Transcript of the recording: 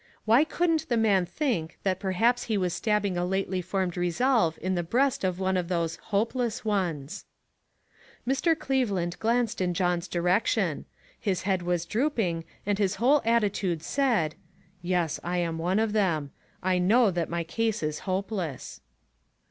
Why couldn't the mail think that perhaps he was stabbing a lately formed resolve in the breast of one of these " hopeless ones ?" Mr. Cleveland glanced in John's direction. His head was drooping, and his whole atti tude said :" Yes, I am one of them ; I know that my case is hopeless."